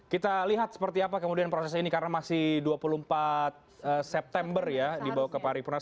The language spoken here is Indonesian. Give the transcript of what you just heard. kita lihat seperti apa kemudian proses ini karena masih dua puluh empat september ya dibawa ke paripurna